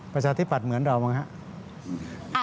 ประชาธิปัตธิ์เหมือนเรามั้งฮะ